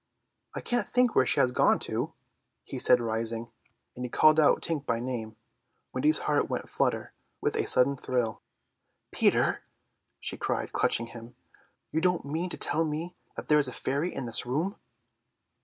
"I can't think where she has gone to," he said, rising, and he called Tink by name. Wendy's heart went flutter with a sudden thrill. "Peter," she cried, clutching him, "you don't mean to tell me that there is a fairy in this room!"